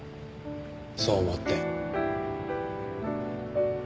そう思って。